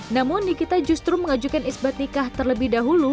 namun nikita justru mengajukan isbat nikah terlebih dahulu